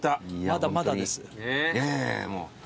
まだまだです。